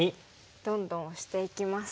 どんどんオシていきます。